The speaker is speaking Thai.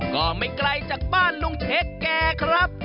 ก็ไม่ไกลจากบ้านลุงเช็คแกครับ